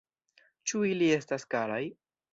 Ĉu ili estas karaj?